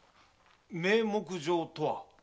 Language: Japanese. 名目上とは？